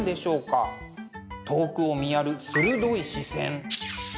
遠くを見やる鋭い視線。